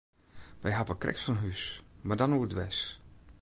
Wy hawwe krekt sa'n hús, mar dan oerdwers.